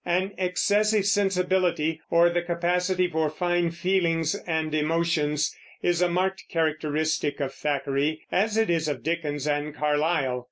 An excessive sensibility, or the capacity for fine feelings and emotions, is a marked characteristic of Thackeray, as it is of Dickens and Carlyle.